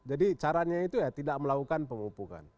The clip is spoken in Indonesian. jadi caranya itu ya tidak melakukan pemumpukan